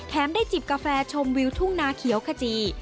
ได้จิบกาแฟชมวิวทุ่งนาเขียวขจี